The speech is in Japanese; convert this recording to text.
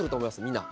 みんな。